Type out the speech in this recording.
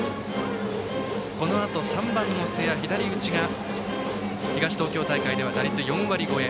このあと３番の瀬谷、左打ちが東東京大会では打率４割超え。